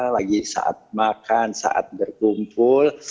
lagi saat makan saat berkumpul